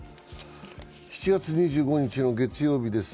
７月２５日の月曜日です。